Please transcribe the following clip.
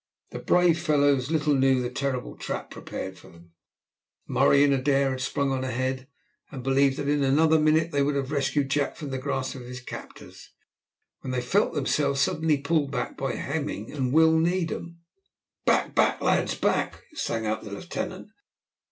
The brave fellows little knew the terrible trap prepared for them. Murray and Adair had sprung on ahead, and believed that in another minute they would have rescued Jack from the grasp of his captors, when they felt themselves suddenly pulled back by Hemming and Will Needham. "Back, back, lads, back!" sang out the lieutenant.